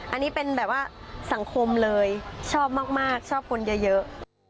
อันนี้เป็นแบบว่าสังคมเลยชอบมากชอบคนเยอะ